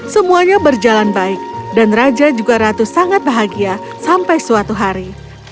semuanya berjalan baik dan raja juga ratu sangat bahagia sampai suatu hari